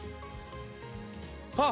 あっ！